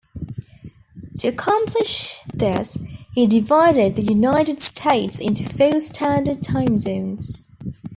To accomplish this he divided the United States into four standard time zones.